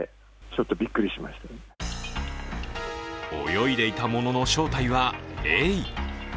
泳いでいたものの正体は、エイ。